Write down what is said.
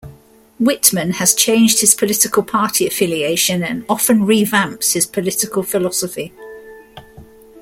Wittmann has changed his political party affiliation and often revamps his political philosophy.